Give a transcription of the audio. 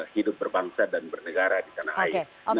hidup berbangsa dan bernegara di tanah air